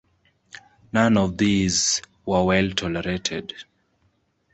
None of these were well tolerated.